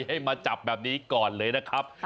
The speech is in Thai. ให้มาจับแบบนี้ก่อนเลยนะครับ